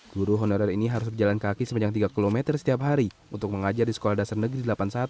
guru honorer ini harus berjalan kaki sepanjang tiga km setiap hari untuk mengajar di sekolah dasar negeri delapan puluh satu